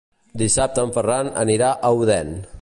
Dissabte en Ferran anirà a Odèn.